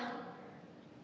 dprd yang diusulkan